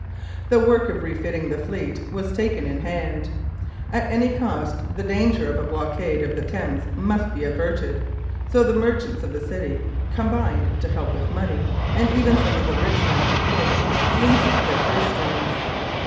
The work of refitting the fleet was taken in hand. At any cost, the danger of a blockade of the Thames must be averted, so the merchants of the City combined to help with money, and even some of the rich men of the Court loosed their purse strings.